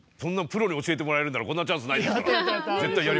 プロに教えてもらえるんならこんなチャンスないですから絶対やりますよ。